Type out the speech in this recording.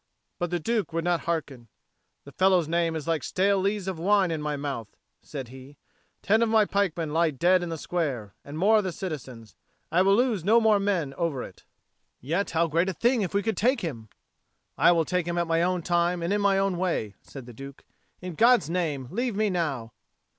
But the Duke would not hearken. "The fellow's name is like stale lees of wine in my mouth," said he. "Ten of my pikemen lie dead in the square, and more of the citizens. I will lose no more men over it." "Yet how great a thing if we could take him!" "I will take him at my own time and in my own way," said the Duke. "In God's name, leave me now."